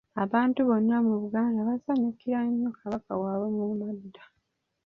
Abantu bonna mu Buganda baasanyukira nnyo Kabaka waabwe mu madda.